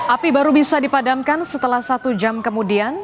api baru bisa dipadamkan setelah satu jam kemudian